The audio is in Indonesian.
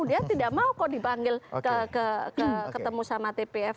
dia tidak mau kok dipanggil ketemu sama tpf